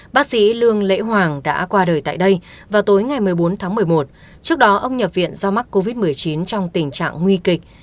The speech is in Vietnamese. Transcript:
bác sĩ lương lễ hoàng đã qua đời tại đây vào tối ngày một mươi bốn tháng một mươi một trước đó ông nhập viện do mắc covid một mươi chín trong tình trạng nguy kịch